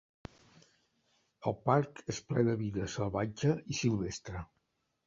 El parc és ple de vida salvatge i silvestre.